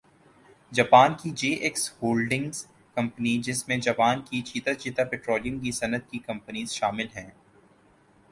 Japan کی J X holdings company جس میں جاپان کی چیدہ چیدہ پٹرولیم کی صنعت کی کمپنیز شامل ہیں